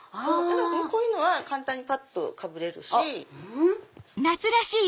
こういうのは簡単にぱっとかぶれるし。